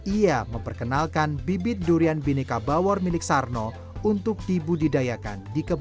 ia memperkenalkan bibit durian bineka bawor milik sarno untuk dibudidayakan di kebun